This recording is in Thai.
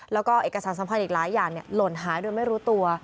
แล้วก็เอกสารสัมพันธ์อีกหลายอย่างหล่นหายโดยไม่รู้ตัว